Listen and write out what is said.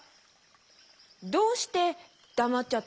どうしてだまっちゃったのかな？